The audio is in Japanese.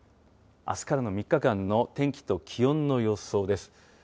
あすからの３日間の天気と気温の予想です。